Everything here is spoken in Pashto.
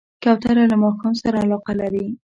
کوتره له ماښام سره علاقه لري.